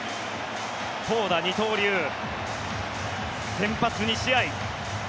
投打二刀流、先発２試合。